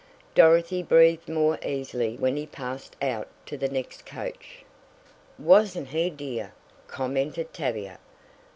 Dorothy breathed more easily when he passed out to the next coach. "Wasn't he dear?" commented Tavia.